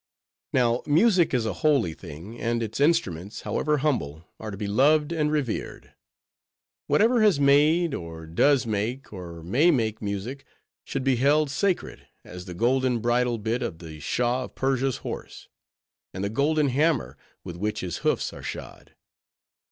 Now, music is a holy thing, and its instruments, however humble, are to be loved and revered. Whatever has made, or does make, or may make music, should be held sacred as the golden bridle bit of the Shah of Persia's horse, and the golden hammer, with which his hoofs are shod.